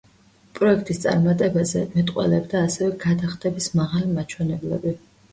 პროექტის წარმატებაზე მეტყველებდა ასევე გადახდების მაღალი მაჩვენებლები.